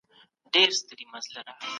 بهرنی سیاست د هیواد په ثبات کي اساسي رول لري.